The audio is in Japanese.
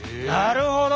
なるほど。